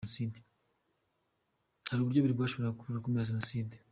Ati “Hari uburyo bubiri bwashoboraga gukumira Jenoside.